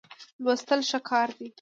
لوستل ښه کار دی.